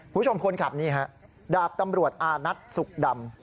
คุณผู้ชมคนขับนี่ฮะดาบตำรวจอานัทสุขดำ